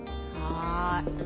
はい。